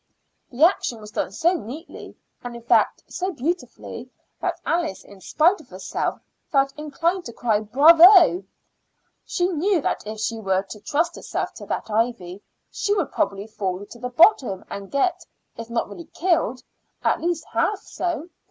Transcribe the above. The action was done so neatly, and in fact so beautifully, that Alice in spite of herself felt inclined to cry "Bravo!" She knew that if she were to trust herself to that ivy she would probably fall to the bottom and get, if not really killed, at least half so.